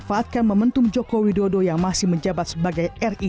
memanfaatkan momentum joko widodo yang masih menjabat sebagai ri